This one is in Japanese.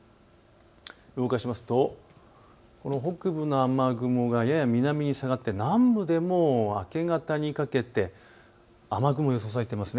動かすと北部の雨雲がやや南に下がって南部でも明け方にかけて雨雲が予想されています。